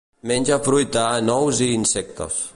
Menja fruita, nous i insectes.